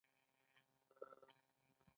د زیتون پاڼې د فشار لپاره کارول کیږي؟